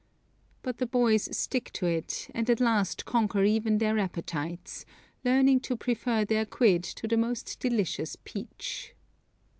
But the boys stick to it, and at last conquer even their appetites, learning to prefer their quid to the most delicious peach.